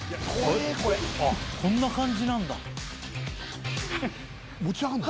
あっこんな感じなんだ。